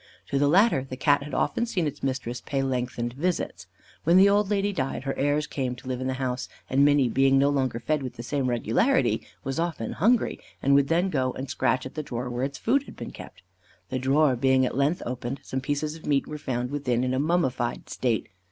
To the latter the Cat had often seen its mistress pay lengthened visits. When the old lady died, her heirs came to live in the house, and Minny being no longer fed with the same regularity, was often hungry, and would then go and scratch at the drawer where its food had been kept. The drawer being at length opened, some pieces of meat were found within in a mummified state.